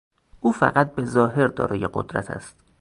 او فقط به ظاهر دارای قدرت است.